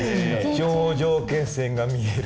「頂上決戦」が見える。